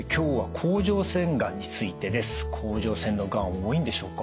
甲状腺のがん多いんでしょうか？